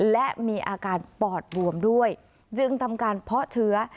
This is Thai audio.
และมีอาการปอดบวมด้วยจึงทำการเพาะเชื้อ